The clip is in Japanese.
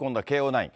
ナイン。